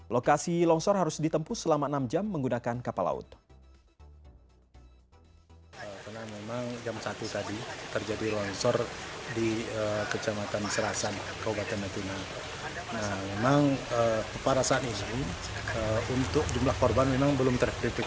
lokasi longsor harus ditempuh selama enam jam menggunakan kapal laut